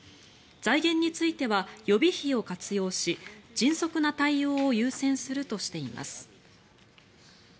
財源については予備費を活用し迅速な対応を優先するとしています。